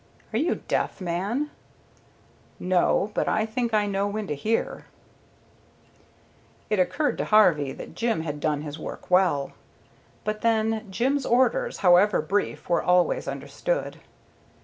"Are you deaf, man?" "No, but I think I know when to hear." It occurred to Harvey that Jim had done his work well. But then, Jim's orders, however brief, were always understood.